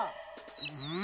うん！